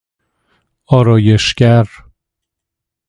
آرایش گر